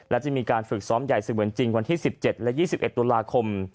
และจะมีการฝึกซ้อมใหญ่เสมือนจริงวันที่๑๗และ๒๑ตุลาคม